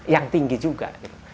yang tinggi juga